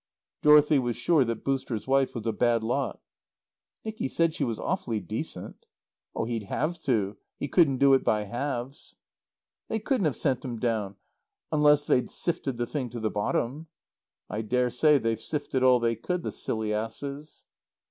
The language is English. Dorothy was sure that "Booster's" wife was a bad lot. "Nicky said she was awfully decent." "He'd have to. He couldn't do it by halves." "They couldn't have sent him down, unless they'd sifted the thing to the bottom." "I daresay they've sifted all they could, the silly asses."